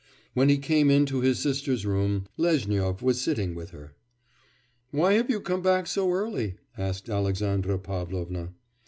When he came in to his sister's room, Lezhnyov was sitting with her. 'Why have you come back so early?' asked Alexandra Pavlovna.